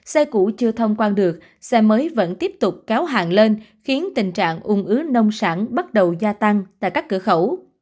xe cũ chưa thông quan được xe mới vẫn tiếp tục kéo hàng lên khiến tình trạng ung ứ nông sản bắt đầu gia tăng tại các cửa khẩu